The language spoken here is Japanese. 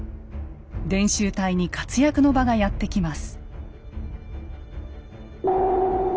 伝習隊に活躍の場がやって来ます。